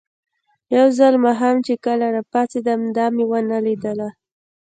یو ځل ماښام چې کله راپاڅېدم، دا مې ونه لیدله.